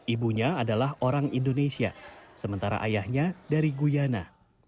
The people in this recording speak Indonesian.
ibunya adalah orang indonesia sementara ayahnya dari guyana